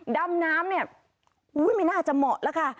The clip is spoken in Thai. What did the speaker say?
ดำน้ำเนี่ยไม่น่าจะเหมาะแล้วค่ะ